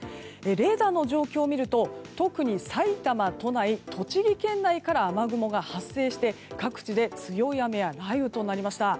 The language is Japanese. レーダーの状況を見ると特に埼玉、都内栃木県内から雨雲が発生して各地で強い雨や雷雨となりました。